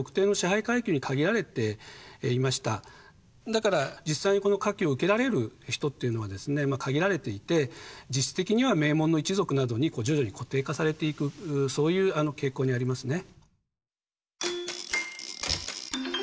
だから実際この科挙を受けられる人っていうのはですね限られていて実質的には名門の一族などに徐々に固定化されていくそういう傾向にありますね。